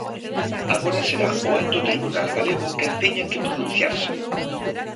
Agora será o alto tribunal galego quen teña que pronunciarse.